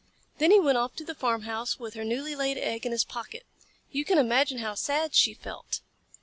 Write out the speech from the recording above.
Then he went off to the farmhouse with her newly laid egg in his pocket. You can imagine how sad she felt.